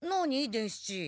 伝七。